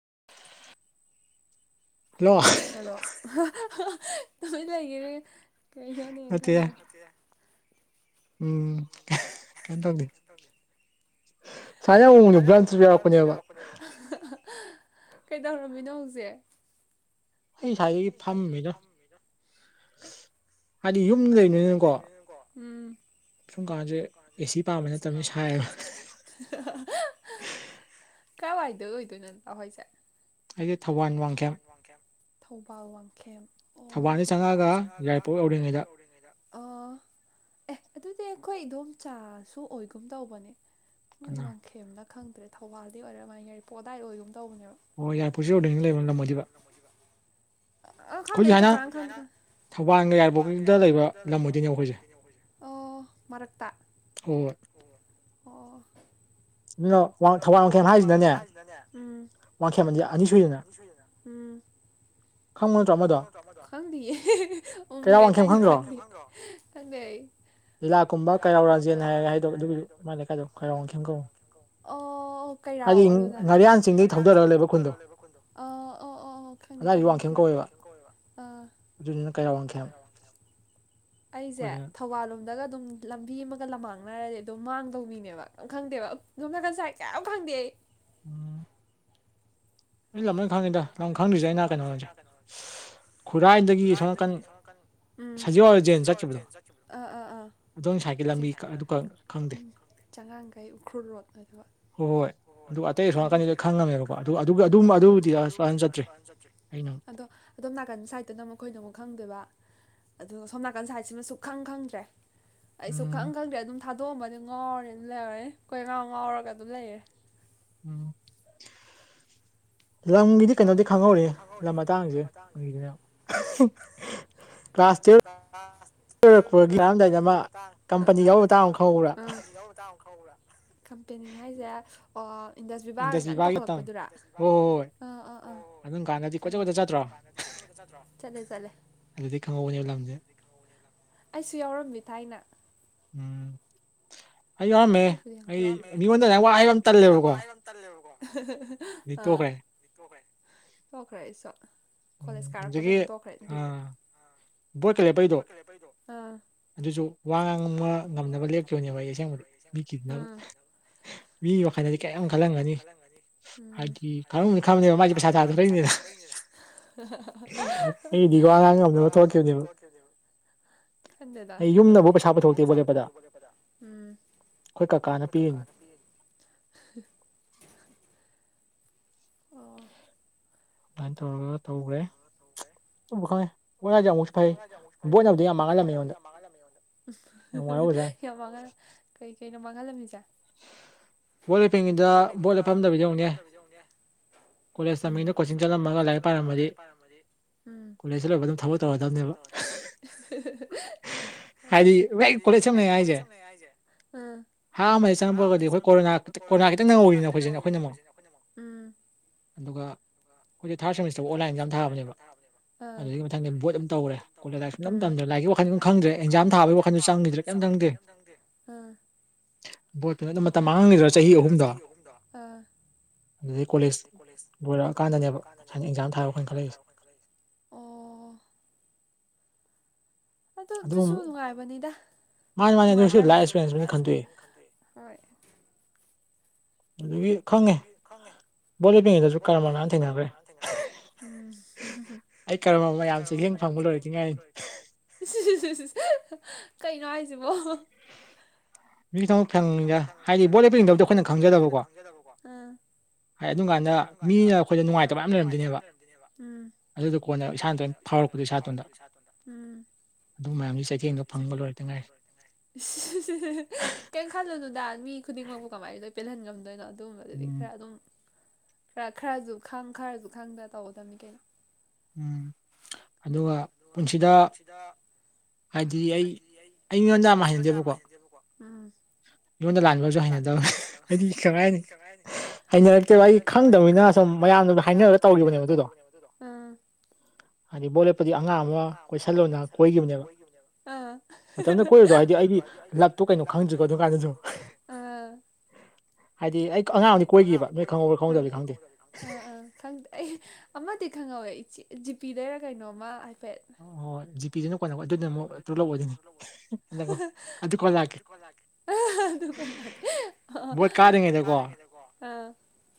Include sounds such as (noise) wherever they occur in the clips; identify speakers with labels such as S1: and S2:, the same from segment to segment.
S1: (inaudible) hello
S2: ꯍꯜꯂꯣꯒꯦꯅꯦ ꯀꯩ ꯌꯥꯅꯤ ꯀꯜ
S1: ꯎꯝ ꯀꯝ ꯇꯧꯅꯤ ꯁꯥ ꯌꯥꯝ ꯃꯑꯣꯡꯅꯦ ꯕ꯭ꯔꯟꯁꯨ ꯌꯥꯎꯔꯛꯄꯅꯦꯕ
S2: ꯀꯩꯗꯧꯔꯝꯃꯤꯅꯣ ꯍꯧꯖꯤꯖꯤꯛ
S1: ꯑꯩ ꯁꯋꯥꯏꯗꯒꯤ ꯐꯝꯃꯦꯗ ꯍꯥꯏꯗꯤ
S2: ꯍꯥꯏꯗꯤ ꯌꯨꯝꯗ ꯂꯩꯕꯅꯤꯅꯀꯣ ꯥꯁꯦ ꯑꯦꯁꯤ ꯄꯥꯝꯕ ꯅꯠꯇꯕ ꯁꯥꯏꯕ ꯀꯌꯥ ꯋꯥꯥꯏꯗꯣ ꯑꯣꯏꯣꯏꯗ ꯅ ꯑꯇ ꯍꯣꯏꯁꯦ ꯊꯧ ꯋꯥꯡꯦꯝ ꯑꯣ
S1: ꯌꯥꯥꯏ ꯄꯣꯛ ꯌꯧꯔꯤꯉꯩꯗ
S2: ꯑ ꯑꯦ ꯑꯗꯨꯗꯤ ꯑꯩꯈꯣꯏ ꯑꯗꯨꯣꯝ ꯆꯥꯁꯨ ꯑꯣꯏꯒꯨꯝ ꯇꯧꯕꯅꯦ ꯃꯣꯏ ꯋꯥꯡꯈꯦꯝꯅ ꯈꯪꯗ꯭ꯔꯦ ꯊꯧꯕꯥꯜꯗꯤ ꯑꯣꯏꯔꯝꯥꯏꯅ ꯌꯥꯔꯤ ꯄꯣꯠꯗꯥꯏ ꯑꯣꯏꯒꯨꯝ ꯍ ꯌꯥ ꯄꯨꯔꯕꯒ
S1: ꯑꯩꯈꯣꯏꯁꯨ ꯍꯥꯏꯅ ꯊꯧꯕꯥꯜꯒ ꯌꯥꯔꯕꯣ
S2: ꯣꯏ ꯃꯔꯛꯇ
S1: ꯍ
S2: ꯑꯣ
S1: ꯣ ꯊꯋꯥꯡ ꯋꯥꯡꯈꯦꯝ ꯍꯥꯏꯁꯤꯅꯅꯦ
S2: ꯎꯝ ꯑꯅꯤꯁꯨꯏꯅ ꯎꯝ ꯈꯪ ꯇꯪ
S1: ꯂꯤꯂꯥꯀꯨꯝꯕ ꯀꯩꯔꯥꯎ ꯔꯥꯥꯟꯖꯦꯟ ꯍꯥꯏꯔꯒ ꯍꯥꯏꯗ ꯑꯗꯨꯒꯤꯗꯨ ꯃ ꯃꯥꯥꯏ ꯂꯩꯀꯥꯏꯗꯣ ꯀꯩꯔꯥꯎ ꯈꯦꯝ ꯀꯧꯅꯤ
S2: ꯑꯣ ꯀꯩꯔꯥꯛꯑꯣ ꯑꯗꯨꯅ ꯉꯥꯔꯤꯌꯥꯟꯁꯤꯡ ꯊꯧꯖꯔꯒ ꯂꯩꯕ ꯈꯨꯗꯣ ꯑꯣ ꯑꯣ ꯑꯣ ꯈꯪ ꯈꯪ ꯑꯥ ꯑꯩꯁꯦ ꯊꯧꯕꯥꯜ ꯒ ꯑꯗꯨꯝ ꯂꯝꯕꯤ ꯑꯃꯒ ꯂꯝꯃꯥꯡꯅꯔꯗꯤ ꯑꯗꯨꯝ ꯃꯥꯡꯗꯧ ꯃꯤꯅꯦꯕ ꯈꯪꯗꯦꯕꯥꯏꯠ ꯃꯦ
S1: ꯎꯝ ꯑꯩ ꯂꯝ ꯂꯣꯏ ꯈꯪꯉꯤꯗ ꯂꯝ ꯈꯪꯗ꯭ꯔꯤꯁꯦ ꯑꯩꯅ ꯀꯩꯅꯣꯅꯁꯦ
S2: ꯈꯨꯔꯥꯏꯗꯒꯤ ꯁꯣꯅꯥꯀꯟ ꯎ ꯁꯖꯤ ꯆꯠꯈꯤꯕ ꯑ ꯎ ꯆꯉꯥꯡꯈꯩ ꯎꯈ꯭ꯔꯨꯜ ꯔꯣꯠ ꯑ
S1: ꯍꯣꯏ ꯍꯣꯏ ꯑꯗꯨ ꯑꯇꯩ ꯑꯁꯣꯝ ꯅꯥꯀꯟꯗꯨꯗ ꯈꯪꯉꯝꯃꯦꯕꯀꯣ ꯑꯗꯨ ꯑꯗꯨ
S2: ꯑꯗꯣ ꯑꯗꯣꯝ ꯅꯥꯀꯟ ꯁꯥꯏꯠꯇꯅ ꯃꯈꯣꯏꯅ ꯑꯃꯨꯛ ꯈꯪꯗꯣꯏꯕ ꯑꯗꯨꯒ ꯁꯣꯝ ꯅꯥꯀꯟ ꯁꯥꯏꯠꯁꯤꯃꯁꯨ ꯈꯪ ꯈꯪꯗ꯭ꯔꯦ ꯑꯩꯁꯨꯛ ꯈꯪ ꯈꯪꯗ꯭ꯔꯦ ꯑꯗꯨꯝ ꯊꯥꯗꯣꯛꯑꯝꯕꯗꯤ ꯉꯥꯎꯔꯦ ꯂꯩꯔꯦ ꯀꯣꯏ ꯉꯥꯎ ꯉꯥꯎꯔꯒ ꯑꯗꯨ ꯂꯩꯌꯦꯦ
S1: ꯎꯝ ꯂꯝꯒꯤꯗꯤ ꯀꯩꯅꯣꯗꯤ ꯈꯪꯍꯧꯔꯤ ꯂꯝ ꯃꯇꯥꯡꯁꯦꯒꯤꯗꯅ
S2: ꯀꯣꯒꯤ ꯃꯇꯥꯡ ꯀꯣ ꯆꯥꯔꯝꯗꯥꯏꯗ ꯑꯃ ꯀꯝꯄꯦꯅꯤ ꯍꯥꯏꯁꯦ ꯑꯣ ꯏꯟꯗꯁ ꯕꯤꯕꯥ ꯉꯅ ꯇꯧꯈꯠꯂꯛꯄꯗꯨꯔ
S1: ꯑꯗꯨꯝ ꯀꯥꯟꯗꯗꯤ ꯀꯣꯏꯆꯗ ꯆꯠꯇ꯭ꯔꯣ ꯑꯗꯨꯗꯤ ꯈꯪꯍꯧꯕꯅꯦꯕ (inaudible) (inaudible)
S2: ꯑꯩꯁꯨ ꯌꯥꯎꯔꯝꯃꯤ ꯊꯥꯏꯅ
S1: ꯎꯝ ꯑꯩ ꯌꯥꯎꯔꯝꯃꯦ ꯑꯩ ꯃꯤꯉꯣꯟꯗ ꯉ ꯋꯥ ꯍꯥꯏꯩꯕ ꯑꯃ ꯇꯜꯂꯦꯕꯀꯣ
S2: ꯆꯣ꯭ꯔ ꯆꯣ꯭ꯔ ꯀꯣꯂꯦꯖ ꯀꯥꯔꯛꯄꯗ ꯇꯣꯛꯈ꯭ꯔꯦ
S1: ꯕꯣꯏꯀ ꯂꯦꯞꯄꯩꯗꯣ ꯑꯗꯨꯁꯨ ꯋꯥ ꯉꯥꯡꯕ ꯉꯝꯅꯕ ꯂꯦꯞꯈꯤꯕꯅꯦꯕ ꯑꯩ ꯑꯁꯦꯡꯕꯗꯤ ꯀꯗꯅꯕ ꯃꯤ ꯋꯥꯈꯜꯗꯗꯤ ꯀꯔꯤꯝ ꯈꯜꯂꯝꯒꯅꯤ ꯍꯥꯏꯗꯤ ꯈꯜꯂꯝꯅꯤ ꯈꯪꯕꯅꯦꯕ ꯃꯥꯁꯦ ꯄꯩꯁꯥ ꯊꯥꯗꯊꯣꯔꯛꯏꯅꯤꯅ
S2: ꯑꯩꯗꯤꯒ ꯌꯣꯝꯅꯕ ꯊꯣꯛꯈꯤꯕꯅꯦꯕ ꯈꯟ ꯑꯗꯨ ꯎꯝ ꯍꯣꯏ ꯀꯥꯀꯥꯅ ꯄ
S1: ꯑꯗꯨꯃꯥꯏꯅ ꯇꯧꯔꯒ ꯇꯧꯈ꯭ꯔꯦ
S2: ꯁꯒꯦ
S1: ꯑꯨꯝꯕ ꯈꯪꯉꯦ ꯑꯣꯠꯅꯗꯤ ꯑꯃꯨꯛꯁꯨ ꯐꯩ ꯕꯣꯠꯅꯕꯗ ꯌꯥꯝ ꯃꯥꯡꯍꯜꯂꯝꯃꯤ ꯑꯩꯉꯣꯟꯗ ꯌꯥꯝ
S2: ꯌꯥꯝ ꯃꯥꯡꯍꯜ ꯀꯩ ꯀꯩꯅꯣ ꯃꯥꯡꯍꯜꯂꯝꯃꯤꯁꯦ
S1: ꯕꯣꯜ ꯂꯤꯄꯤꯡꯉꯗ ꯕꯣꯠ ꯂ ꯐꯝꯗꯕ ꯌꯧꯅꯦ ꯀꯂꯦꯖꯃꯤꯗ ꯀꯣꯆꯤꯡ ꯆꯦꯂꯝ ꯃꯥ ꯂ ꯂꯩꯄꯔꯃꯗꯤ
S2: ꯄꯥꯏꯔꯝꯃꯗꯤ ꯎ ꯀꯣꯂꯦꯖ ꯆꯠꯂ ꯑꯗꯨꯝ ꯊꯕꯛ ꯇꯧꯔꯗꯕꯅꯦꯕ ꯍꯥꯏꯗꯤ ꯐꯔꯦꯁ ꯍꯥꯏꯖꯦ ꯍꯥ ꯑꯃ ꯆꯪꯉꯄꯔꯒꯗꯤ ꯑꯩꯈꯣꯏ ꯀꯣꯔꯣꯅꯥ ꯀꯣꯔꯣꯅꯥ ꯈꯤꯇꯪ ꯅꯪꯍꯧꯔꯤꯅ ꯑꯩꯈꯣꯏꯁꯤ ꯑꯩꯈꯣꯏꯅ (unintelligible)
S1: ꯑꯗꯨꯒ ꯑꯩꯈꯣꯏꯗꯤ ꯊꯥꯔꯠ ꯁꯦꯃꯤꯁꯇꯔ ꯑꯣꯟꯂꯥꯏꯟ ꯑꯦꯛꯖꯥꯝ ꯊꯥꯕꯅꯦꯕ ꯑꯗꯨꯒꯤꯊꯪ ꯕꯠꯗ ꯇꯧꯔꯦꯣꯂ ꯂꯥꯏꯝꯗ꯭ꯔꯦ ꯂꯥꯏꯔꯤꯛ ꯋꯥꯈꯜ ꯈꯗ꯭ꯔꯦ ꯑꯦꯛꯖꯥꯝ ꯊꯥꯔꯦ
S2: ꯑꯦꯟꯖꯥꯝ ꯊꯥꯕꯒꯤ ꯋꯥꯈꯟꯁꯨ ꯆꯪꯈꯤꯗ꯭ꯔꯥ ꯀꯩꯝ ꯆꯪꯗꯦ
S1: ꯕꯣꯔꯠꯇꯨꯅ ꯑꯗꯨꯝ ꯃꯇꯝ ꯃꯥꯡꯍꯥꯡꯂꯤꯗ꯭ꯔꯥ ꯆꯍꯤ ꯑꯍꯨꯝꯗꯣ ꯑꯗꯨꯗꯩ ꯀꯣꯂꯦꯖ ꯂꯣꯏꯔꯛꯑ ꯀꯥꯟꯗꯅꯦꯕ ꯁꯨꯃꯥꯏꯅ ꯑꯦꯟꯖꯥꯝ ꯊꯥꯔ
S2: ꯑꯣ ꯑꯗꯨ ꯑꯗꯨꯁꯨ ꯅꯨꯡꯉꯥꯏꯕꯅꯤꯗ ꯅꯨꯡꯉꯥꯏꯇ꯭ꯔꯥꯅꯦ ꯍꯣꯢ
S1: ꯑꯗꯨꯒꯤ ꯈꯪꯉꯦ
S2: (unintelligible) ꯆꯩꯊꯦꯡ ꯐꯪꯕ ꯂꯣꯢꯗ ꯉꯥꯢꯔꯤ ꯀꯩꯅꯣ ꯍꯥꯏꯁꯤꯕꯣ ꯍꯥꯏꯗꯤ ꯕꯣꯠ (unintelligible) ꯑꯩꯈꯣꯏꯅ ꯈꯪꯖꯗꯕꯀꯣ ꯑꯩ ꯑꯗꯨꯝ ꯀꯥꯟꯗ ꯃꯤꯅ ꯑꯩꯈꯣꯏꯗ ꯅꯨꯡꯉꯥꯏꯇꯕ ꯃꯌꯥꯝ ꯂꯩꯔꯝꯗꯣꯏꯅꯦꯕ ꯑꯗꯨꯗꯣ ꯀꯣꯟꯅ ꯏꯁꯥꯇꯣꯟꯗ ꯐꯥꯎꯔꯛꯄꯗ ꯏꯁꯥꯇꯣꯟꯗ ꯃꯌꯥꯝꯗꯨꯢ ꯆꯩꯊꯦꯡꯗꯣ ꯐꯪꯕ ꯂꯣꯢꯗ ꯉꯥꯢꯔꯤ ꯀꯩꯝ ꯈꯜꯂꯨꯅꯨꯗ ꯃꯤ ꯈꯨꯗꯤꯡꯃꯛꯄꯨ ꯀꯃꯥꯏꯅ ꯂꯣꯢ ꯄꯦꯜꯍꯟ ꯉꯝꯗꯣꯏꯅꯣ ꯑꯗꯨꯒꯨꯝꯕꯗꯨꯗꯤ ꯈꯔ ꯑꯗꯨꯝ ꯈꯔ ꯈꯔꯁꯨ ꯈꯪ ꯈꯔꯁꯨ ꯈꯪꯗꯅ ꯇꯧꯒꯗꯕꯅꯤ ꯀꯩꯅꯣ
S1: ꯎꯝ ꯑꯗꯨꯒ ꯄꯨꯟꯁꯤꯗ
S2: ꯍꯥꯏꯗꯤ ꯑꯩ ꯑꯩꯉꯣꯟꯗ ꯌꯥꯝ ꯍꯩꯅꯗꯦꯕꯀꯣ
S1: ꯃꯤꯉꯣꯟꯗ ꯂꯥꯟꯕꯁꯨ ꯍꯩꯅꯗꯕ ꯍꯥꯏꯗꯤ ꯀꯃꯥꯏ ꯍꯥꯢꯅꯤ ꯍꯩꯅꯔꯛꯇꯦꯕ ꯑꯩ ꯈꯪꯗꯕꯅꯤꯅ ꯁꯨꯝ ꯃꯌꯥꯝꯅꯁꯨ ꯍꯥꯏꯅꯔꯒ ꯇꯧꯈꯤꯕꯅꯦꯕ ꯑꯗꯨꯗꯣ ꯍꯥꯏꯗꯤ ꯕꯣꯠ ꯂꯦꯞꯄꯗꯤ ꯑꯉꯥꯡ ꯑꯃ ꯀꯣꯏꯁꯜꯂꯣꯅ ꯀꯣꯏꯒꯤꯕꯅꯦꯕ
S2: ꯑꯥ ꯅ ꯀꯣꯏꯔꯗꯣ ꯍꯥꯏꯗꯤ ꯑꯩꯗꯤ ꯂꯛꯇꯣ ꯀꯩꯅꯣ ꯈꯪꯗ꯭ꯔꯤꯀꯣ ꯑꯗꯨꯝ ꯀꯥꯟꯗꯁꯨ ꯍꯥꯢꯗꯤ ꯑꯩ ꯑꯉꯥꯡ ꯑꯃꯗꯤ ꯀꯣꯢꯒꯤꯕ ꯅꯣꯢ ꯈꯪꯍꯧꯕ꯭ꯔꯥ ꯈꯪꯍꯧꯗꯕ꯭ꯔꯥꯗꯤ ꯈꯪꯗꯦ ꯑꯥ ꯑꯥ ꯈꯪꯗꯦ ꯑꯩ ꯑꯃꯗꯤ ꯈꯪꯍꯧꯋꯦ ꯏꯆꯦ ꯖꯤ ꯄꯤꯗꯩꯔ ꯀꯩꯅꯣꯃ ꯍꯥꯢ
S1: ꯑꯣ ꯍꯣꯏ ꯖꯤ ꯄꯤꯗꯨꯅ ꯀꯣꯟꯅ ꯑꯗꯨꯗꯨꯅ ꯑꯃꯨꯛ ꯇ꯭ꯔꯨ ꯂꯞ ꯑꯣꯏꯗꯣꯢꯅꯦ
S2: ꯑꯗꯨ ꯀꯣꯟꯅ ꯂꯥꯛꯀꯦ ꯀꯥꯗ꯭ꯔꯤꯉꯩꯗ ꯀꯣ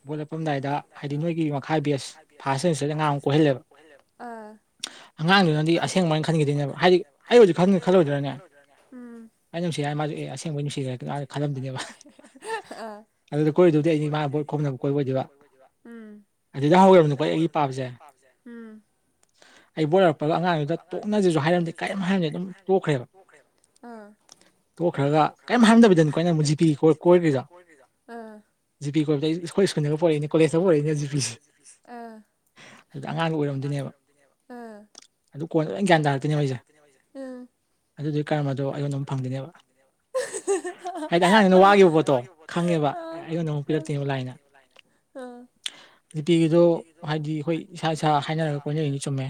S1: ꯚꯣꯠ ꯂꯦꯞꯄꯝꯗꯥꯏꯗ ꯍꯥꯏꯗꯤ ꯅꯣꯏꯒꯤ ꯃꯈꯥꯏ ꯕꯦꯁ ꯐꯥꯁ ꯁꯦꯃꯤꯁꯇꯔꯗꯩ ꯑꯉꯥꯡ ꯑꯃꯨ ꯀꯣꯏꯍꯜꯂꯦꯕ ꯑꯉꯥꯡꯗꯨꯅꯗꯤ ꯑꯁꯦꯡꯕ ꯑꯣꯢꯅ ꯈꯟꯒꯤꯗꯣꯏꯅꯦꯕ ꯍꯥꯏꯗꯤ ꯑꯩ
S2: ꯑꯩ
S1: ꯑꯣꯖꯨ
S2: ꯑꯣꯢꯖꯨ ꯈꯟꯅꯤ ꯈꯜꯂꯣꯢꯗ꯭ꯔꯥꯅꯦ (unintelligible) ꯑꯥ ꯑꯗꯨꯗ ꯀꯣꯏꯔꯗꯧꯗꯤ ꯑꯩꯅꯤ ꯃꯥꯅꯣꯏꯠ ꯈꯣꯅꯕ ꯀꯣꯏꯕꯣꯏꯗꯨꯕ ꯑꯗꯨꯗ ꯍꯧꯒ꯭ꯔꯕꯅꯤꯀꯣ ꯑꯩꯒꯤ ꯄꯥꯝꯕꯁꯦ
S1: ꯑꯣꯏꯔꯛꯄꯒ ꯑꯉꯥꯡꯗꯨꯗ ꯇꯣꯛꯅꯁꯦꯁꯨ ꯍꯥꯏꯔꯝꯗꯦ ꯀꯩꯝ ꯍꯥꯏꯔꯝꯗꯦ ꯑꯗꯨꯝ ꯇꯣꯛꯈ꯭ꯔꯦꯕ
S2: ꯇꯣꯛꯈ꯭ꯔꯒ ꯀꯩꯝ ꯍꯥꯢꯔꯝꯗꯕꯤꯗꯅꯤꯀꯣ ꯑꯩꯅ ꯖꯤ ꯄꯤ ꯀꯣꯢꯒ꯭ꯔꯤꯗꯣ
S1: ꯖꯤ ꯄꯤ ꯀꯣꯏꯕꯗ ꯑꯩ ꯑꯩꯈꯣꯢ ꯁ꯭ꯀꯨꯟꯗꯒ ꯄꯨꯔꯛꯢꯏꯦ ꯀꯣꯂꯦꯖꯑꯒ ꯄꯨꯔꯢꯅꯦ ꯖꯤ ꯄꯤꯗꯨ ꯑꯗꯨꯗ ꯑꯉꯥꯡꯗꯨ ꯑꯨꯔꯝꯗꯣꯏꯅꯦꯕ ꯑꯗꯨ ꯀꯣꯟꯅ ꯂꯣꯏ ꯒ꯭ꯌꯥꯟ ꯇꯥꯔꯛꯇꯣꯏꯅꯦꯕ ꯑꯩꯖꯦ
S2: ꯎꯝ ꯑꯗꯨꯗꯤ ꯀꯔꯍꯥꯗꯣ ꯑꯩꯉꯣꯟ ꯑꯗꯨꯝ ꯐꯪꯒꯅꯦꯕ ꯑꯉꯥꯡꯗꯨꯅ ꯋꯥꯒꯤꯕ ꯄꯣꯠꯇꯣ
S1: ꯑꯩꯉꯣꯟꯗ ꯑꯃꯨꯛ ꯄꯤꯔꯛꯇꯣꯢꯅꯦꯕ ꯂꯥꯏꯅ
S2: ꯑꯥ
S1: ꯖꯤ ꯄꯤꯒꯤꯗꯣ ꯍꯥꯏꯗꯤ ꯑꯩꯈꯣꯏ ꯏꯁꯥ ꯏꯁꯥ ꯍꯥꯏꯅꯔꯒ ꯀꯣꯏꯅꯔꯤꯅꯤ ꯆꯨꯝꯃꯦ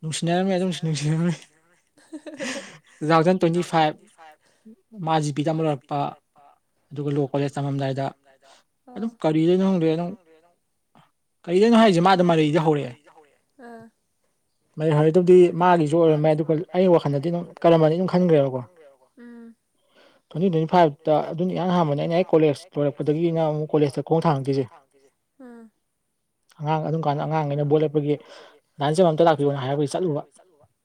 S1: ꯅꯨꯡꯁꯤꯅꯔꯝꯃꯦ ꯑꯗꯨꯝ ꯅꯨꯡꯁꯤꯅꯔꯝꯃꯦ
S2: (unintelligible)
S1: ꯇꯨꯊꯥꯎꯖꯟ ꯇ꯭ꯋꯦꯟꯇꯤ ꯐꯥꯏꯚ ꯃꯥ ꯖꯤ ꯄꯤꯇꯝꯕ ꯂꯣꯢꯔꯛꯄ ꯑꯗꯨꯒ ꯂꯣ ꯀꯣꯂꯦꯖ ꯇꯝꯃꯝꯗꯥꯏꯗ ꯑꯗꯨꯝ ꯀꯔꯤꯗꯩꯅꯣ ꯈꯪꯗꯦ ꯑꯗꯨꯝ ꯀꯔꯤꯗꯩꯅꯣ ꯍꯥꯏꯁꯦ ꯃꯥ ꯑꯗꯩꯝ ꯃꯔꯩꯗ ꯍꯧꯔꯛꯑꯦ ꯃꯔꯩ ꯍꯧꯔꯛꯢꯗꯨꯕꯨꯗꯤ ꯃꯥꯒꯤꯁꯨ
S2: ꯃꯥꯒꯤꯁꯨ ꯑꯣꯏꯔꯝꯕ ꯌꯥꯢ ꯑꯗꯨꯒ ꯑꯩ ꯋꯥꯈꯜꯗꯗꯤ ꯑꯗꯨꯝ ꯀꯔꯃꯥꯅꯤ ꯑꯗꯨꯝ ꯈꯟꯒ꯭ꯔꯦꯕꯀꯣ ꯇ꯭ꯋꯦꯟꯇꯤ ꯇ꯭ꯋꯦꯟꯇꯤ ꯐꯥꯏꯚꯇ ꯑꯗꯨꯅ ꯏꯍꯥꯟ ꯍꯥꯟꯕꯗ ꯑꯩꯅ ꯍꯦꯛ ꯀꯣꯂꯦꯖ ꯂꯣꯢꯔꯛꯄꯗꯒꯤꯅ ꯑꯃꯨꯛ ꯀꯣꯂꯦꯖꯇ ꯈꯣꯡ ꯊꯥꯡꯉꯛꯇ꯭ꯔꯤꯁꯦ ꯑꯝ
S1: ꯑꯉꯥꯡ ꯑꯗꯨꯝ ꯀꯥꯟꯗ ꯑꯉꯥꯡꯈꯩꯅ ꯕꯣꯠ ꯂꯦꯄꯒꯤ ꯗꯥꯏꯟꯁꯕ ꯑꯝꯇ ꯂꯥꯛꯄꯤꯌꯣꯅ ꯍꯥꯏꯕꯒꯤ ꯆꯠꯂꯨꯕ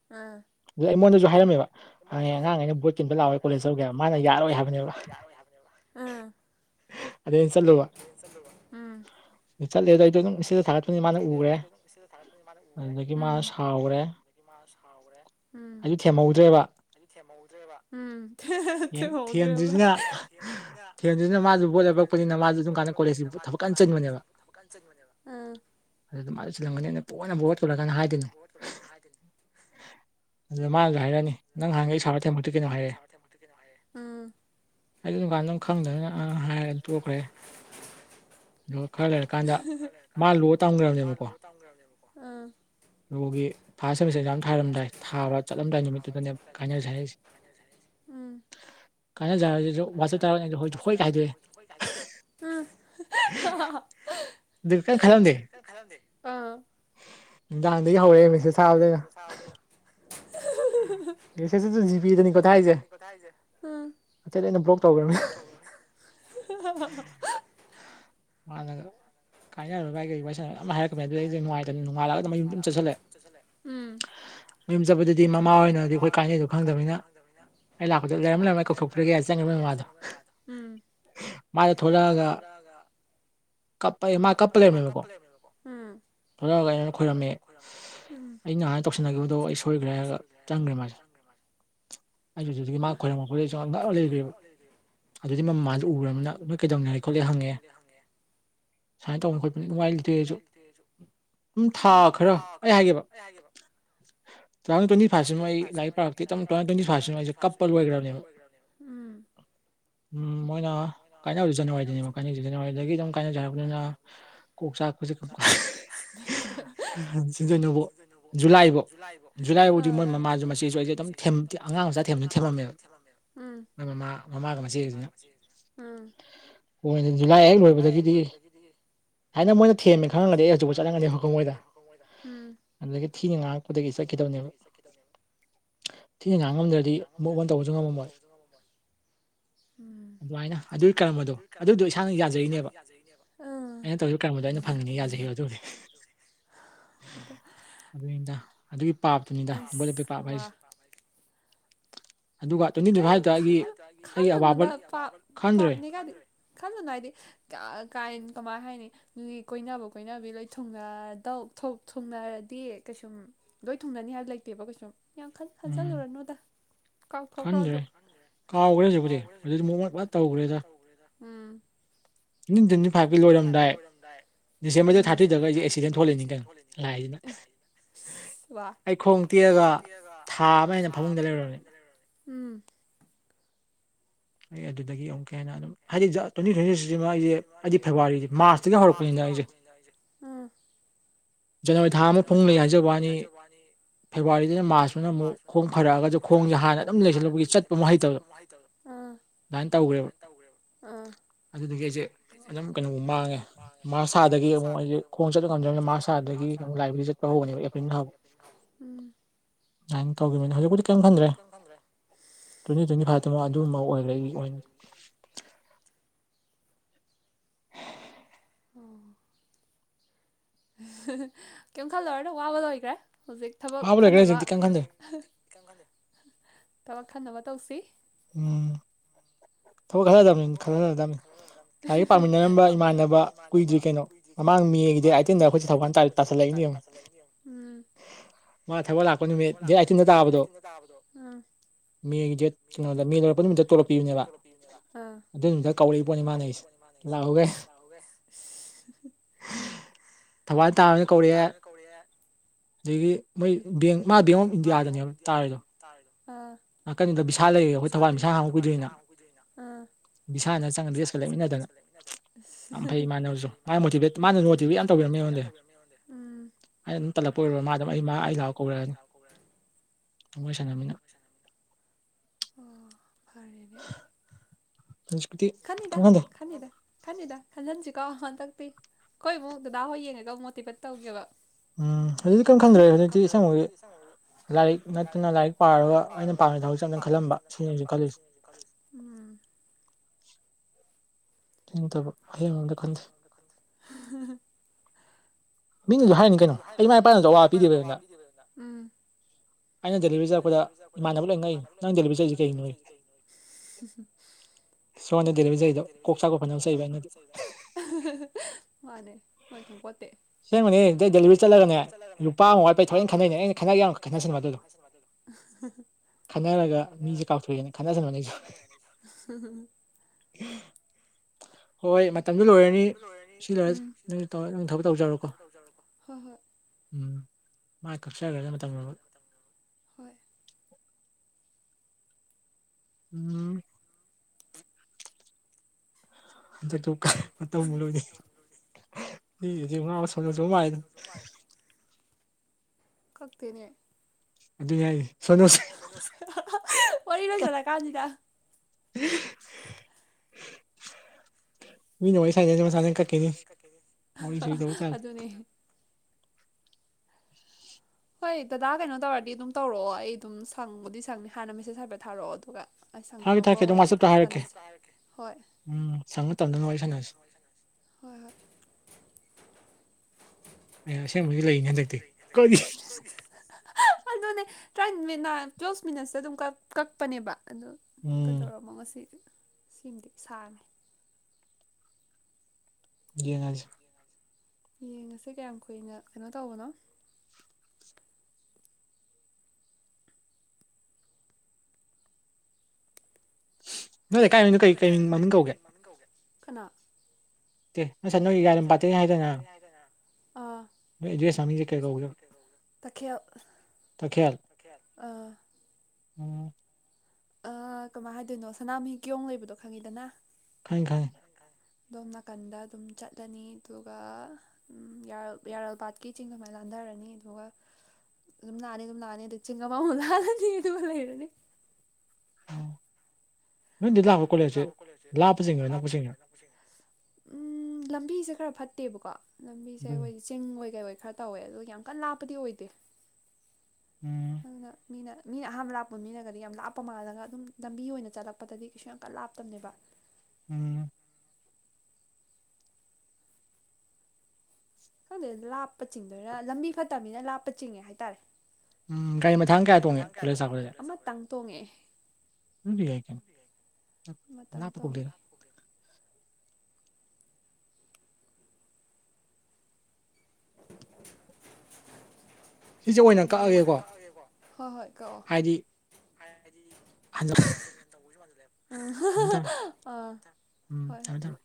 S2: ꯑꯥ
S1: ꯑꯗꯨꯗ ꯑꯩꯉꯣꯟꯗꯁꯨ ꯍꯥꯏꯔꯝꯃꯦꯕ ꯍꯪꯉꯡ ꯑꯉꯥꯡ ꯑꯩꯅ ꯕꯣꯔꯠ ꯇꯤꯟꯕ ꯂꯥꯛꯑꯣꯋꯦ ꯀꯣꯂꯦꯖ ꯇꯧꯒꯦꯕ ꯃꯥꯅ ꯌꯥꯔꯣꯏ ꯍꯥꯏꯕꯅꯦꯕ
S2: ꯑꯝ
S1: ꯑꯗꯨꯗꯩ ꯆꯠꯂꯨꯕ ꯆꯠꯂꯦꯗ ꯑꯩꯗꯣ ꯑꯗꯨꯝ ꯁꯤꯗ ꯊꯒꯠꯄꯅꯤ ꯃꯥꯅ ꯎꯈ꯭ꯔꯦ
S2: ꯃꯥꯅ ꯁꯥꯎꯒꯔꯦ ꯎꯝ ꯑꯗꯨꯗꯒꯤ ꯃꯥ ꯁꯥꯎꯔꯦ ꯎ ꯊꯦꯃꯍꯧꯗ꯭ꯔꯦꯕ ꯎꯝ ꯊꯦꯝꯍꯧꯗ꯭ꯔꯦꯕ ꯊꯦꯟꯗꯨꯅ ꯃꯥꯁꯨ ꯕꯣ ꯂꯩꯞꯔꯛꯄꯅꯤꯅ ꯃꯥꯁꯨ ꯁ ꯀꯥꯟꯗ ꯀꯣꯂꯦꯖ ꯊꯛ ꯀ ꯆꯤꯟꯕꯅꯦꯕ
S1: ꯑꯗꯨ ꯃꯥ ꯆꯤꯜꯂꯝꯒꯅꯤ ꯄꯅꯕꯊꯂꯛꯀꯅ ꯍꯥꯏꯗꯨꯅꯦ ꯑꯗꯨ ꯃꯥꯡꯗ ꯍꯥꯏꯔꯅꯤ
S2: ꯃꯥꯅꯁꯨ ꯍꯥꯏꯔꯛꯑꯅꯤ ꯅꯪ ꯍꯪꯉꯩ ꯁꯥꯔ ꯊꯦꯡꯕꯗ ꯀꯩꯅꯣ ꯍꯥꯏꯔꯦ
S1: ꯑꯩꯁꯨ ꯗꯨꯀꯥꯟꯗ ꯑꯗꯨꯝ ꯈꯪꯗꯅꯤꯅ ꯍꯥꯏꯔ ꯇꯣꯛꯈ꯭ꯔꯦ ꯈꯔ ꯂꯩꯔꯛꯀꯥꯟꯗ ꯃꯥ ꯂꯣ ꯇꯝꯈ꯭ꯔꯕꯅꯦꯕꯀꯣ ꯂꫭꯒꯤ ꯐꯥꯔꯁ ꯁꯦꯃꯤꯁꯇꯔ ꯑꯦꯛꯖꯥꯝ ꯊꯥꯔꯝꯗꯥꯏ ꯊꯥꯕ ꯆꯠꯂꯝꯗꯥꯏ ꯅꯨꯃꯤꯠ ꯀꯥꯏꯅꯔꯁꯤ ꯍꯥꯏꯔꯛ ꯏꯁꯤ
S2: ꯍꯥ ꯍꯥ
S1: ꯀꯩꯝ ꯈꯜꯂꯝꯗꯦ
S2: ꯗꯥꯥꯟꯗꯒꯤ ꯍꯧꯔꯛꯑꯦ ꯃꯤꯁꯨ ꯁꯥꯕꯗꯅ
S1: ꯌꯦꯁꯦꯁ ꯇꯨꯁꯤꯖꯤ ꯄꯤꯗꯅꯤ ꯀꯣꯊ ꯍꯥꯏꯁꯦ ꯑꯆꯦꯠ ꯑꯩꯅ ꯕ꯭ꯂꯣꯛ ꯇꯧꯈ꯭ꯔꯕꯅꯦ
S2: (unintelligible)
S1: ꯃꯥꯅꯒ ꯀꯥꯏꯅꯔꫭ ꯕꯥꯏ ꯀꯩ ꯋꯥꯏ ꯁꯥꯟꯅ ꯑꯃ ꯍꯥꯏꯔꯛꯄꯅꯤ ꯑꯗꯨꯗ ꯑꯩꯁꯦ ꯅꯨꯡꯉꯥꯏꯇꯅ ꯉꯥꯏꯂꯑꯒ ꯑꯗꯨ ꯃꯌꯨꯝ ꯑꯗꯨꯨꯝ ꯆꯠꯁꯤꯜꯂꯛꯑꯦ ꯃꯌꯨꯝ ꯆꯠꯄꯗꯗꯤ ꯃꯃꯥ ꯑꯣꯏꯅꯗꯤ ꯑꯩꯈꯣꯏ ꯀꯥꯏꯅꯩꯗꯣ ꯈꯪꯗꯕꯅꯤꯅ ꯑꯩ ꯂꯥꯛꯄꯗ ꯂꯩꯔꯝ ꯂꯩꯔꯃ ꯑꯩ ꯀꯧꯊꯣꯛꯇ꯭ꯔꯒꯦ ꯆꯪꯉꯦ
S2: ꯁꯦꯡ
S1: ꯃꯥ ꯊꫭꯛꯂꯛ ꯑꯒꯥ ꯃꯥ ꯀꯞꯄꯥ ꯂꯩꯔꯝ
S2: ꯀꯞꯂ ꯌꯦꯃꯤꯀ
S1: ꯊꯂꯛꯑꯒ ꯑꯩꯅ ꯈꯣꯏꯔꯝꯃꯤ ꯑꯩꯅ ꯍꯥꯏꯃꯥꯏ ꯇꯧꯁꯤꯟꯅꯈꯤꯕꯗꯣ ꯑꯩ ꯁꯣꯏꯈ꯭ꯔꯦ ꯍꯥꯏꯔꯒ ꯆꯪꯈ꯭ꯔꯦ ꯃꯥꯁꯦ ꯑꯩꯁꯨ ꯑꯗꯨ ꯑꯗꯨꯗꯒꯤ ꯃꯥ ꯈꯣꯏꯔꯝꯃꯛꯄ ꯂꯩꯈ꯭ꯔꯦꯕ ꯑꯗꯨꯗꯤ ꯃꯃ ꯃꯜꯗ ꯎꯈ꯭ꯔꯅꯤꯅ ꯑꯗꯨꯣꯏ ꯀꯩꯗꯧꯅꯔꯦ ꯈꯣꯠꯂꯦ ꯍꯪꯉꯦ ꯁꯨꯃꯥꯏꯅ ꯇꯧꯕꯅ ꯈꯣꯠꯄꯅꯤ ꯅꯨꯡꯉꯥꯏ ꯂꯩꯇꯦ ꯑꯩꯁꯨ
S2: ꯊꯥ ꯈꯔꯥ ꯑꯩ ꯍꯥꯏꯒꯦꯕ ꯇꯅ ꯇ ꯐꯟ ꯋꯥ ꯂ ꯄ ꯇ ꯐꯁꯟ ꯋꯥ ꯀꯞꯄꯜ ꯔꯅꯦ ꯎꯝ
S1: ꯎꯝ ꯃꯣꯏꯅ ꯀꯥꯏꯅꯕꯁꯨ ꯖꯅꯋꯥꯔꯤꯗꯨꯅꯦ ꯀꯥꯏꯅꯁꯨ ꯖꯅꯋꯥꯔꯤꯗꯒꯤ ꯑꯗꯨꯝ ꯀꯥꯏꯅꯖꯔꯛꯄꯅꯤꯅ ꯀꯣꯛ ꯆꯥꯛꯁ ꯁꯤꯗꯩꯅꯣꯕꯣ ꯖꯨꯂꯥꯏꯕꯧ ꯏ ꯂꯥꯏꯕꯨꯥꯎꯗꯤ ꯃꯣꯏ ꯃꯃꯥꯁꯨ ꯃꯁꯤꯁꯨ ꯑꯩꯁꯦ ꯑꯗꯨꯝ ꯑꯉꯥꯡ ꯃꯆꯥ ꯊꯦꯝꯅ ꯊꯦꯝꯃꯝꯃꯦꯕ ꯃꯣꯏ ꯃꯃꯥ ꯃꯃꯥ ꯀ ꯁꯤꯅ
S2: ꯎꯝ
S1: ꯂꯥꯏ ꯑꯌꯦꯛ ꯂꯣꯏꯕꯗꯒꯤꯗꯤ
S2: ꯑꯩꯅ ꯃꯣꯏꯗ ꯊꯦꯟꯃꯦ ꯈꯪꯍꯜꯂꯗꯤꯦ ꯑꯩ ꯍꯧꯕꯨ ꯆꯠꯂꯒꯗꯤ ꯃꯈꯣꯡꯣꯏꯗ
S1: ꯑꯗꯨꯗꯒꯤ ꯊꯤꯅ ꯉꯥꯡꯉꯛꯄꯗꯒꯤ ꯆꯠꯈꯤꯗꯕꯅꯦꯕ
S2: ꯁꯤ ꯉꯉꯝꯗ꯭ꯔꯗꯤ ꯑꯃꯛ ꯑꯣꯟ ꯇꯧꯕꯁꯨ ꯉꯝꯃꯝꯃꯜ ꯎ
S1: ꯑꯗꯨꯒꯤ ꯀꯔꯝꯕꯗꯣ ꯑꯗꯨꯗ
S2: ꯑꯥ
S1: ꯑꯗꯨꯅꯤꯗꯥ ꯑꯗꯨꯒꯤ ꯄꯥꯞꯇꯨꯅꯤꯗ ꯕꯣꯂꯣꯞꯄꯤ ꯄꯥꯞ ꯍꯥꯏꯁꯦ
S2: ꯀꯩ ꯈꯥꯟꯗ ꯄ ꯄꯅꯤꯀ ꯈꯜꯂꯨꯅ ꯍꯥꯏꯗꯤ ꯀꯥꯏ ꯀꯃꯥꯏꯅ ꯍꯥꯏꯅꯤ ꯅꯒꯤ ꯀꯣꯏꯅꯕ ꯀꯣꯏꯕꯤ ꯂꯣꯏ ꯊꯨꯡꯅ ꯊꯨꯡꯅꯔꯗꯤ ꯀꯩꯁꯨꯝ ꯂꯣꯏ ꯊꯨꯡꯅꯅꯤ ꯍꯥꯏꯕ ꯂꯩꯇꯦꯕ ꯀꯩꯁꯨꯝ ꯌꯥꯡꯈꯟ ꯈꯟꯖꯤꯜꯂꯨꯔꯅꯨꯗ ꯀꯥꯎ
S1: ꯈꯟꯗ꯭ꯔꯦ ꯀꯥꯎꯈ꯭ꯔꯦ ꯍꯧꯖꯤꯛꯕꯨꯗꯤ ꯑꯗꯨꯗꯤ ꯃꯣꯃꯣꯟ ꯂ ꯇꯧꯈ꯭ꯔꯦꯗ
S2: ꯎꯝ
S1: ꯏ ꯇ꯭ꯋꯇꯤ ꯐꯥꯏꯚꯀꯤ ꯂꯣꯏꯔꯝꯗꯥꯏ ꯗꯤꯁꯦꯝꯕꯔꯗ ꯊꯥꯔꯇ꯭ꯔꯤꯗꯒ ꯑꯩꯁꯦ ꯑꯦꯛꯁꯤꯗꯦꯟ ꯊꯣꯛꯂꯅꯤ ꯀꯩꯅꯣ ꯂꯥꯛꯑꯏꯁꯤꯅ
S2: ꯋꯥ ꯑꯩ ꯈꯣꯡ ꯇꯦꯛꯑꯒ ꯊꯥ ꯑꯃꯅ ꯐꯃꯨꯡꯗ ꯂꯩꯔꯔꯕꯅꯤ ꯎꯝ
S1: ꯑꯩ ꯑꯗꯨꯗꯒꯤ ꯑꯃꯨꯛꯀ ꯍꯦꯟꯅ ꯑꯗꯨꯝ
S2: ꯍꯥꯏꯗꯤ ꯇ꯭ꯋꯦꯟꯇꯤ ꯇ꯭ꯋꯦꯟꯇꯤꯁꯤ ꯑꯩꯁꯦ ꯑꯩꯗꯤ ꯐꯦꯕꯋꯥꯔꯤꯗꯤ ꯃꯥꯔꯁꯇ ꯍꯧꯔꯛꯄꯅꯤꯅ ꯑꯩꯁꯦ (inaudible) (inaudible)
S1: ꯖꯅꯋꯥꯔꯤ ꯊꯥ ꯑꯃ ꯐꯨꯡ ꯂꯩ ꯍꯥꯏꯖꯕ ꯋꯥꯅꯤ ꯐꯦꯕꯋꯥꯔꯤꯗꯅ ꯃꯥꯔꯁꯇꯅ ꯑꯃꯨꯛ ꯈꯣꯡ ꯐꯔꯛꯑꯒꯁꯨ ꯈꯣꯡꯁꯦ ꯍꯥꯟꯅ ꯑꯗꯨꯝ ꯂꯩꯁꯤꯜꯂꯛꯄꯒꯤ ꯆꯠꯄ ꯑꯃ ꯍꯩꯇꯕ
S2: ꯑꯥ
S1: ꯑꯗꯨ ꯑꯗꯨ ꯀꯦꯖꯦ ꯑꯗꯨꯝ ꯀꯩꯅꯣꯒ ꯃꯥꯡꯉꯦ ꯃꯥꯁꯥꯗꯒꯤ ꯑꯃꯨꯛ ꯑꯩꯁꯦ ꯈꯣꯡ ꯆꯠꯁꯨ ꯉꯝꯖꯦ ꯃꯥꯁꯥꯗꯒꯤ
S2: ꯑꯗꯒꯤ ꯂꯥꯏ ꯆꯍꯧꯕꯅꯦꯕ
S1: ꯑꯗꯨꯃꯥꯏꯅ ꯇꯧꯈꯤꯕꯅꯤꯅꯦ ꯍꯧꯖꯤꯛꯄꯥꯎꯗꯤ ꯀꯔꯤꯝ ꯈꯟꯗ꯭ꯔꯦ ꯇ꯭ꯋꯦꯟꯇꯤ ꯇ꯭ꯋꯦꯟꯇꯤ ꯐꯥꯏꯚꯇꯃꯛ ꯑꯗꯨꯝꯕꯐꯥꯎ ꯑꯣꯏꯔꯛ ꯑꯣꯏ
S2: ꯑꯣ ꯀꯩꯝ ꯈꯜꯂꯣꯏꯔꯅ ꯋꯥꯕ ꯂꯣꯏꯈ꯭ꯔꯦ ꯍꯧꯖꯤꯛ ꯊꯕꯛ ꯈꯟꯅꯕ ꯊꯕꯛ ꯈꯟꯅꯕ ꯇꯧꯁꯤ
S1: ꯎꯝ ꯊ ꯈꯜꯅꯤ ꯈꯝꯅꯤ ꯂꯥꯏꯔꯤꯛ ꯄꯥꯃꯤꯟꯅꯔꯝꯕ ꯏꯃꯥꯟꯅꯕ ꯀꯨꯏꯗ꯭ꯔꯤ ꯀꯩꯅꯣ ꯃꯃꯥꯡ ꯃꯒꯤꯗꯤ ꯑꯥꯏꯇꯤꯟꯗ ꯑꯩꯈꯣꯏꯁ ꯊꯧꯛꯥꯟ ꯇꯥꯁꯜꯂꯛꯏꯅꯤ
S2: ꯄꯁ ꯂꯩ
S1: ꯃꯥ ꯊꯕꯛ ꯂꯥꯛꯄ ꯅꯨꯃꯤꯠ ꯗꯦꯠ ꯑꯇꯨꯤꯟꯗ ꯇꯥꯕꯗꯣ ꯃꯦꯒꯤ ꯗꯦꯠ ꯀꯩꯅꯣꯗ ꯃꯤꯅꯔꯛꯄ ꯅꯨꯃꯤꯠꯇ ꯇꯣꯂꯛꯄꯤꯌꯨꯅꯦꯕ
S2: ꯑꯗꯨꯝꯗ ꯀꯧꯔꯛꯏ ꯄꯣꯠꯅꯤ ꯏꯃꯥꯅ ꯑꯩꯁꯦ ꯂꯥꯛꯑꯣꯎꯒꯦ (inaudible)
S1: ꯊꯕꯥꯜ ꯇꯥꯕꯅ ꯀꯧꯔꯛꯑꯦ ꯑꯗꯒꯤ ꯃꯣꯏ ꯕꯦꯡ ꯃꯥ ꯕꯦꯡ ꯑꯣꯐ ꯏꯟꯗꯤꯌꯥꯗꯅꯦꯕ ꯇꯥꯔꯦꯗꯣ ꯅꯥ ꯀꯩꯅꯗ ꯕꯤꯁꯥ ꯂꯩꯌꯦꯦ ꯑꯩꯈꯣꯏ ꯊꯧꯕꯥꯜ ꯁꯥ ꯍꯥꯡꯉ ꯀꯨꯗꯣꯏꯅ
S2: ꯑꯥ
S1: ꯕꯤꯁꯥꯅ ꯆꯪꯉꯗ꯭ꯔꯦꯁꯀ ꯂꯩꯃꯤꯟꯅꯗꯅ ꯌꯥꯝ ꯐꯩ ꯃꯥꯅꯁꯨ ꯃꯥ ꯃꯣꯇꯤꯚꯦꯠ ꯃꯥꯅ ꯃꯣꯇꯤꯚꯦꯠ ꯌꯥꯝ ꯇꯧꯕꯤꯔꯝ
S2: ꯤ ꯌꯥꯝ ꯇꯧꯕꯤꯔꯝꯃꯤ ꯑꯩꯉꯣꯟꯦ
S1: ꯑ ꯑꯗꯨꯝ ꯇꯜꯂꯛꯄ ꯑꯣꯏꯔꯕ ꯃꯥ ꯑꯩ ꯑꯩ ꯂꯥꯛꯥꯎ ꯀꯧꯔꯛꯅꯤ ꯊꯣꯏ ꯁꯥꯟꯅꯃꯤꯅ
S2: ꯑꯣ ꯐꯔꯅꯦ ꯈꯟꯗ ꯈꯟꯗ ꯈꯟꯗꯟꯖ ꯀꯥ ꯍꯟꯗꯛꯇꯤ ꯑꯩꯈꯣꯏ ꯑꯃꯨꯛ ꯗꯥ ꯍꯣꯏ ꯌꯦꯡꯉꯒ ꯃꯣꯇꯤꯚꯦꯠ ꯇꯧꯒꯦꯕ
S1: ꯎꯝ ꯍꯧꯖꯤꯛꯇꯤ ꯀꯔꯤꯝ ꯈꯪꯗ꯭ꯔꯦ ꯍꯧꯖꯤꯛꯇꯤ ꯏꯁꯝꯃꯛꯗꯤ ꯂꯥꯏꯔꯤꯛ ꯅꯠꯇꯅ ꯂꯥꯏꯔꯤꯛ ꯄꯥꯔꯒ ꯑꯩꯅ
S2: ꯑꯩꯅ ꯄꯥꯝ ꯊꯕ ꯆꯝꯅ ꯈꯜꯂꯝꯕ ꯁꯤꯁꯨ ꯈꯜꯂꯨꯁꯤ ꯎ
S1: (unintelligible) ꯊꯇꯕ ꯑꯩꯒ ꯈꯟꯗꯦ ꯃꯤꯅꯁꯨ ꯍꯥꯏꯔꯤꯅꯤ ꯀꯩꯅꯣ ꯑꯩ ꯃꯥ ꯏꯄꯥꯅꯗ ꯑꯋꯥ ꯄꯤꯗꯦꯕ ꯑꯗꯨꯅ
S2: ꯑꯩꯅ ꯗꯦꯂꯤꯚꯔꯤ ꯆꯠꯄꯗ ꯏꯃꯅꯕ ꯂꯩ ꯉꯩꯅ ꯅꯪ ꯗꯦꯂꯤꯚꯔꯤ ꯆꯠꯁꯤ ꯀꯩꯒꯤꯅꯣ ꯅꯦ ꯍꯣꯏ ꯊꯣꯡꯄꯠꯇ ꯁꯦꯡꯕꯅꯤ ꯗꯦꯂꯤꯚꯔꯤ ꯆꯠꯂꯒꯅꯦ ꯂꯨꯄꯥ ꯑꯃ ꯋꯥꯠꯄꯩ ꯊꯣꯔꯏꯅ ꯈꯟꯅꯩꯅꯦ ꯑꯩꯅ ꯈꯒ ꯈꯁꯟꯕ ꯑꯗꯨꯗꯣ ꯈꯒ ꯃꯤꯦ ꯄ ꯈ (inaudible)
S1: ꯍꯣꯏ ꯍꯣꯏ ꯃꯇꯝꯗ ꯂꯣꯏꯔꯅꯤ ꯁꯤ ꯂꯣꯏꯔꯁꯤ ꯅꯪ ꯅꯪ ꯊꯕꯛ ꯇꯧꯖꯔꯣꯀꯣ ꯎꯝ ꯃꯥ ꯀꯁꯥꯒꯅ ꯇꯃꯦꯕ ꯎꯝ ꯑꯗ ꯇꯨ ꯂꯣꯏ ꯁꯤꯁ ꯉꯥ ꯐ ꯁꯃꯗ
S2: ꯀꯥꯛꯇꯦꯅꯦ ꯑꯣꯏ ꯅ ꯆꯗ ꯀꯥꯥꯟꯖꯤꯗ (inaudible)
S1: ꯃꯤ ꯅꯉ ꯁ ꯃꯁꯥꯅ ꯀꯛꯀꯤꯅꯤ ꯁ ꯂꯧ ꯆ
S2: (unintelligible) ꯍꯣꯏ ꯗꯗꯥ ꯀꯩꯅꯣ ꯇꯧꯔꯗꯤ ꯑꯗꯨꯝ ꯇꯧꯔꯛꯑꯣ ꯑꯩ ꯑꯗꯨꯝ ꯁꯪꯕꯨꯗꯤ ꯁꯪꯅꯤ ꯍꯥꯟꯅ ꯃꯦꯁꯦꯁ ꯍꯥꯏꯐꯦꯠ ꯊꯥꯔꯛꯑꯣ ꯑꯗꯨꯒ
S1: ꯊꯥꯒꯦ ꯊꯥꯀꯦ ꯑꯗꯨꯝ ꯋꯥꯆꯞꯇ ꯍꯥꯏꯔꯛꯀꯦ ꯎꯝ ꯁꯪꯅ ꯃꯇꯝꯗ ꯉꯥꯏ
S2: ꯍꯣꯏ ꯍꯣꯏ
S1: ꯑꯁꯦꯡꯕꯗꯤ ꯂꯩꯅꯤ ꯍꯟꯗꯛꯇꯤ
S2: ꯑꯗꯨꯅꯦ ꯇꯔꯥꯅꯤꯠ ꯇꯨꯋꯦꯜꯐ ꯃꯤꯅꯠꯁꯇ ꯑꯗꯨꯝ ꯀꯛꯄꯅꯦꯕ ꯑꯗꯨ ꯀꯩꯗꯧꯃꯣ ꯉꯁꯤ ꯁꯤꯃꯗꯤ ꯁꯥꯔꯝꯃꯦ
S1: ꯌꯦ ꯅꯖ
S2: ꯌꯦꯡꯉꯁꯦ ꯀꯌꯥꯝ ꯀꯨꯏꯅ ꯀꯩꯅꯣ ꯇꯧꯕꯅꯣ
S1: ꯅꯣꯏ ꯀꯥꯏꯃꯤꯅꯣ ꯀ ꯀꯩ ꯃꯤ ꯃꯃꯤꯡ ꯀꯧꯒꯦ
S2: ꯈꯅꯥ
S1: ꯑꯦ ꯉꯁꯥꯏ ꯅꯣꯏꯒꯤ ꯌꯥꯔꯤꯝꯄꯥꯇꯅꯤ ꯍꯥꯏꯗꯅ ꯖꯣꯏꯁꯝ ꯆ ꯀꯌꯥ ꯀꯧꯒ
S2: ꯑꯥ
S1: ꯎꯝ
S2: ꯑ ꯀꯃꯥꯏ ꯍꯥꯏꯗꯣꯏꯅꯣ ꯁꯅꯥꯃꯍꯤ ꯀꯤꯌꯣꯡ ꯂꯩꯕꯗꯣ ꯈꯪꯉꯤꯗꯅ
S1: ꯈꯥꯏ ꯈꯥꯏ
S2: ꯑꯣꯝ ꯅꯥꯀꯟꯗ ꯑꯗꯨꯝ ꯆꯠꯂꯅꯤ ꯑꯗꯨꯒ ꯌꯥꯔꯦꯜꯄꯥꯠꯀꯤ ꯆꯤꯡ ꯑꯗꯨꯃꯥꯏꯅ ꯂꯥꯛ ꯍꯟꯊꯔꯅꯤ ꯑꯗꯨꯒ ꯑꯗꯨꯝ ꯂꯥꯑꯅꯤ ꯑꯗꯨꯝ ꯂꯥꯑꯅꯤ ꯑꯗꯨꯒ ꯆꯤꯡ ꯑꯃꯃꯨꯛ ꯂꯥꯜꯂꯅꯤ ꯑꯗꯨꯒ ꯂꯩꯔꯅꯤ
S1: ꯅꯣꯏꯗꯤ ꯂꯥꯛꯄ ꯀꯣꯂꯦꯖꯁꯦ ꯂꯥꯞꯄꯆꯤꯡꯉꯤꯔꯣ ꯅꯛꯄꯆꯤꯡꯉꯤꯔꯣ
S2: ꯎꯝ ꯂꯝꯕꯤꯁꯦ ꯈꯔ ꯐꯠꯇꯦꯕꯀꯣ ꯂꯝꯕꯤꯁꯦ ꯑꯩꯈꯣꯏꯒꯤ ꯆꯤꯡ ꯑꯣꯏ ꯀꯩ ꯑꯣꯏ ꯈꯔ ꯇꯧꯋꯦ ꯑꯗꯨꯒ ꯌꯥꯝ ꯀꯟꯅ ꯂꯥꯞꯄꯗꯤ ꯑꯣꯏꯗꯦ ꯑꯗꯨꯅ ꯃꯤꯅ ꯃꯤꯅ ꯑꯍꯥꯟꯕ ꯂꯥꯛꯄ ꯃꯤꯅꯒꯗꯤ ꯌꯥꯝ ꯂꯥꯞꯄ ꯃꯥꯜꯂꯒ ꯑꯗꯨꯝ ꯂꯝꯕꯤ ꯑꯣꯏꯅ ꯆꯠꯂꯛꯄꯗꯗꯤ ꯀꯩꯁꯨ ꯌꯥꯝ ꯀ ꯂꯥꯞꯇꯕꯅꯦꯕ
S1: ꯎꯝ
S2: ꯑꯗꯨꯗꯗꯤ ꯂꯥꯞꯄ ꯆꯤꯡꯗꯣꯏꯔ ꯂꯝꯕꯤ ꯈꯠꯇꯅꯤꯅ ꯂꯥꯞꯄ ꯆꯤꯡꯉꯦ ꯍꯥꯏꯇꯥꯔꯦ
S1: ꯎꯝ ꯒꯥꯔꯤ ꯃꯊꯥꯡ ꯀꯌꯥ ꯇꯣꯡꯉꯦ ꯀꯣꯂꯦꯖ ꯁꯥꯥꯈꯁꯦ
S2: ꯇꯣꯡꯉꯦ
S1: ꯀ ꯂꯄ
S2: (inaudible) ꯍꯣ ꯍꯣꯏ ꯀꯣ ꯑ
S1: ꯎꯝ ꯊꯝꯃꯦ ꯊꯝꯃꯦ